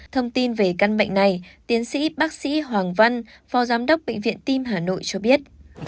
thông tin về căn bệnh này tiến sĩ bác sĩ hoàng văn phó giám đốc bệnh viện tim hà nội cho biết